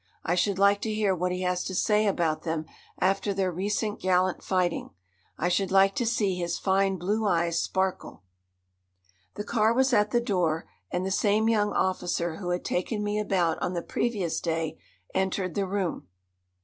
I should like to hear what he has to say about them after their recent gallant fighting. I should like to see his fine blue eyes sparkle. The car was at the door, and the same young officer who had taken me about on the previous day entered the room.